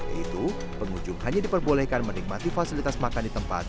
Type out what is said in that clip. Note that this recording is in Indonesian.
yaitu pengunjung hanya diperbolehkan menikmati fasilitas makan di tempat